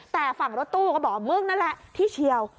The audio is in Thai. แต่ฝั่งรถตู้ก็บอกมึงนั่นแหละที่เฉียว